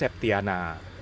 di rumah septiana